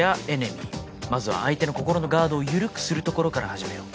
まずは相手の心のガードを緩くするところから始めよう。